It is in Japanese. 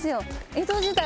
江戸時代